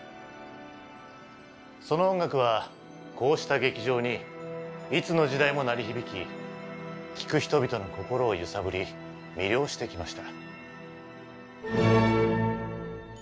その音楽はこうした劇場にいつの時代も鳴り響き聴く人々の心を揺さぶり魅了してきました。